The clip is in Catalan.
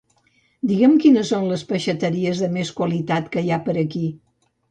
Digue'm quines són les peixateries de més qualitat que hi ha per aquí.